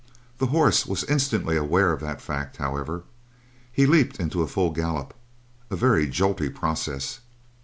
The horse was instantly aware of that fact, however. He leaped into a full gallop. A very jolty process.